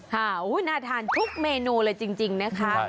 น่าทานทุกเมนูเลยจริงนะคะ